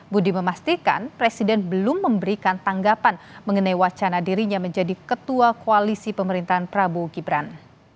budi memastikan presiden belum memberikan tanggapan mengenai wacana dirinya menjadi ketua koalisi pemerintahan prabowo gibran